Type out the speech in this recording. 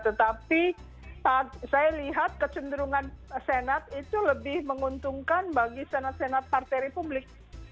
tetapi saya lihat kecenderungan senat itu lebih menguntungkan bagi senat senat partai republik